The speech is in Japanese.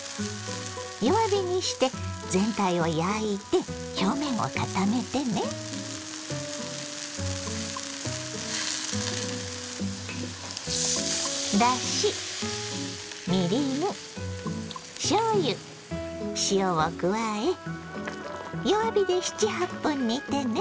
弱火にして全体を焼いて表面を固めてね。を加え弱火で７８分煮てね。